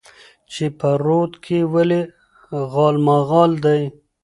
چې په رود کې ولې غالمغال دى؟